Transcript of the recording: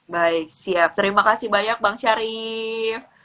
baik siap terima kasih banyak bang syarif